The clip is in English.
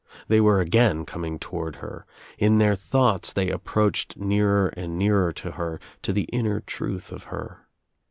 They were again coming toward her. In their thoughts they approached nearer and nearer to her, to the inner truth of her.